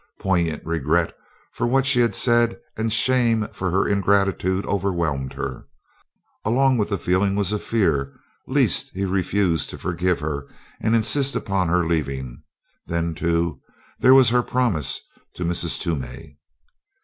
Poignant regret for what she had said and shame for her ingratitude overwhelmed her. Along with the feelings was a fear lest he refuse to forgive her and insist upon her leaving. Then, too, there was her promise to Mrs. Toomey.